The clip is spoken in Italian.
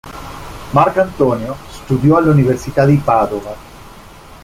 Marcantonio studiò all'Università di Padova.